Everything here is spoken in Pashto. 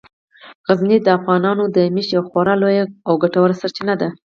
غزني د افغانانو د معیشت یوه خورا لویه او ګټوره سرچینه ده.